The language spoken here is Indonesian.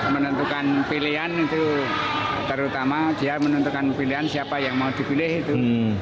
menentukan pilihan itu terutama dia menentukan pilihan siapa yang mau dipilih itu